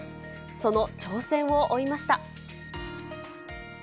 その挑戦を追いました。